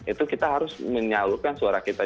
itu kita harus menyalurkan suara kita